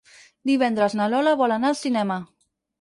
Divendres na Lola vol anar al cinema.